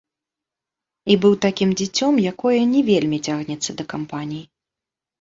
І быў такім дзіцём, якое не вельмі цягнецца да кампаній.